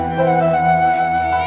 sabar ya kak